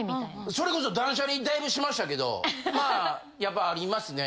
それこそ断捨離だいぶしましたけどまあやっぱありますね。